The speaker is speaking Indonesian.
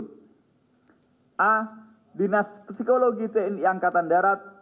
d dinas psikologi tni angkatan darat